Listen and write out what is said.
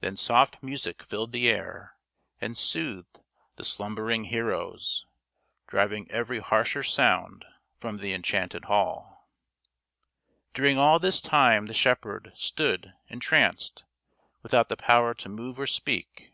Then soft music filled the air and soothed the slumbering heroes, driving every harsher sound from the enchanted hall. During all this time the shepherd stood entranced, without the power to move or speak.